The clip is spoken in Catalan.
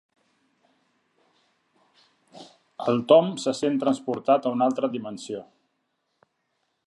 El Tom se sent transportat a una altra dimensió.